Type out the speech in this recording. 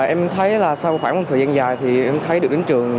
em thấy là sau khoảng một thời gian dài thì em thấy được đến trường